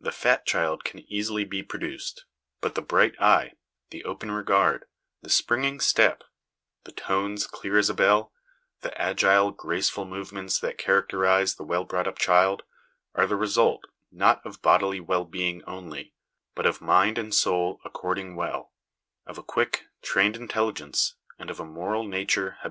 The fat child can easily be produced : but the bright eye, the open regard, the springing step ; the tones, clear as a bell ; the agile, graceful move ments that characterise the well brought up child, are the result, not of bodily well being only, but of 'mind and soul according well/ of a quick, trained intelligence, and of a moral nature ha